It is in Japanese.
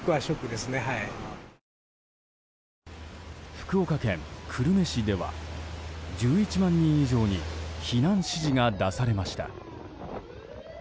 福岡県久留米市では１１万人以上に避難指示が出されました。